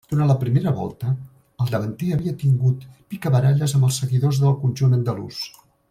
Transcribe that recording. Durant la primera volta, el davanter havia tingut picabaralles amb els seguidors del conjunt andalús.